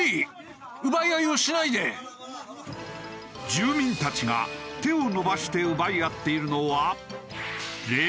住民たちが手を伸ばして奪い合っているのは。